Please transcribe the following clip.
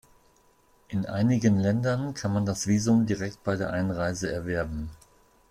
In einigen Ländern kann man das Visum direkt bei der Einreise erwerben.